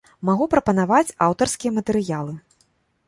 Магу прапанаваць аўтарскія матэрыялы.